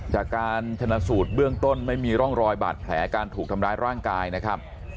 จากการชนะสูตรเบื้องต้นไม่มีร่องรอยบาดแผลการถูกทำร้ายร่างกายนะครับ